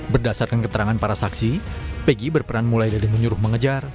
berdasarkan keterangan para saksi pegi berperan mulai dari menyuruh mengejar